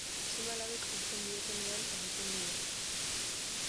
Seme-alabek uzten diotenean egiten du lo.